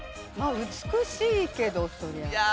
まあ美しいけどそりゃ。